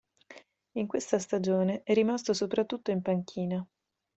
In questa stagione è rimasto soprattutto in panchina.